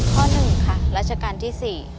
ข้อ๑ค่ะรัชกาลที่๔